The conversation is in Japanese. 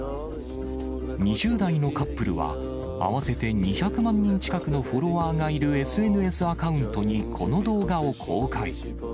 ２０代のカップルは、合わせて２００万人近くのフォロワーがいるＳＮＳアカウントに、この動画を公開。